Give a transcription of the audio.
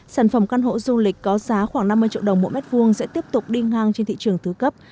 sản phẩm căn hộ du lịch có giá khoảng năm mươi triệu đồng mỗi mét vuông sẽ tiếp tục đi ngang trên thị trường thứ cấp